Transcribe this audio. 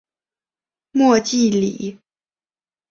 莫济里。